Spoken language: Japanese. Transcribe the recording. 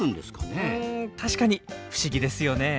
確かに不思議ですよね。